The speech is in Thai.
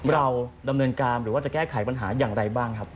เราดำเนินการหรือว่าจะแก้ไขปัญหาอย่างไรบ้างครับ